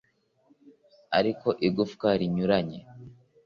Ariko igufwa rinyuranye